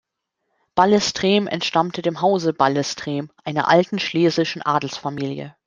Ballestrem entstammte dem Hause Ballestrem, einer alten schlesischen Adelsfamilie.